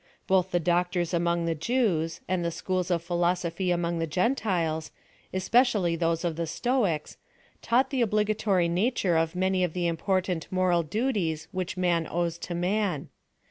Both the doctors among the Jews, and the schools of philosophy among the Gentiles, especial ly those of the Stoics, taught the obligatory nature of many of the important moral duties which man owes to man.